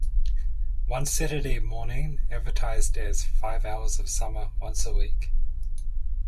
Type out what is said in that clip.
"One Saturday Morning" - advertised as "five hours of summer, once a week!